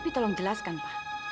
tapi tolong jelaskan pa